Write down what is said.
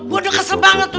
gua udah kesel banget tuh